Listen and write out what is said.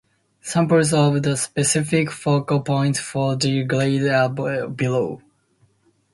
Samples of the specific focal points for three grades are below.